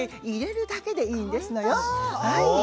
入れるだけでいいんですのよ。